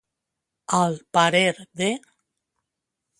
Al parer de.